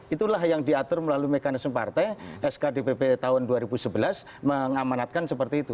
itulah yang diatur melalui mekanisme partai skdp tahun dua ribu sebelas mengamanatkan seperti itu